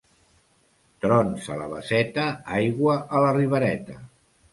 Trons a la Basseta, aigua a la Ribereta.